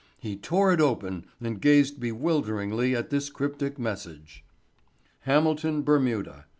He tore it open and gazed bewilderingly at this cryptic message: HAMILTON, BERMUDA.